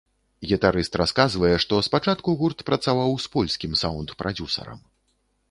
Гітарыст расказвае, што спачатку гурт працаваў з польскім саўнд-прадзюсарам.